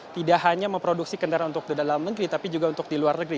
tidak hanya memproduksi kendaraan untuk di dalam negeri tapi juga untuk di luar negeri